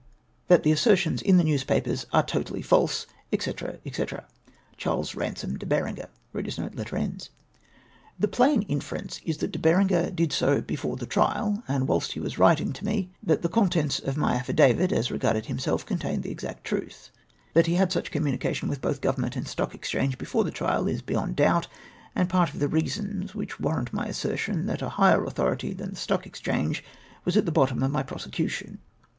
That the assertions in the news papers are totally false, &c. &c. " Charles Kandom de Bekenger." The plain inference is, that De Berenger did so before the trial, and whilst he w\as writing to me that the con tents of my affidavit, as regarded himself, contained the exact truth. That he had such communication with both CTOvernment and Stock Exchange, before the trial, is beyond doubt, and part of the reasons which warrant my assertion, that a higher autho rity than the Stock Exchange was at the bottom of my prosecution.